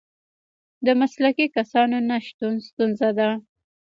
د مسلکي کسانو نشتون ستونزه ده.